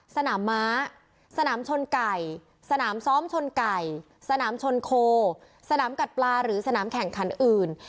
สนามม้าสนามชนไก่สนามซ้อมชนไก่สนามชนโคสนามกัดปลาหรือสนามแข่งขันอื่น